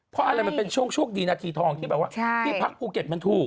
เพราะอะไรมันเป็นช่วงโชคดีนาทีทองที่แบบว่าที่พักภูเก็ตมันถูก